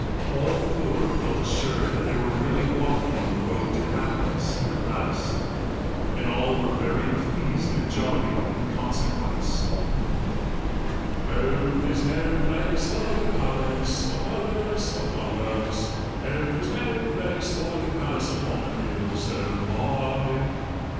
All four felt assured that they were really walking on the road to happiness at last, and all were very pleased and jolly in consequence. "Oh, there's no place like a palace, A palace, a palace! Oh, there's no place like a palace Upon a hill so high!"